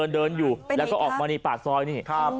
เดินอยู่แล้วก็ออกมาปากซอยนี่